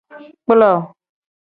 Kplo.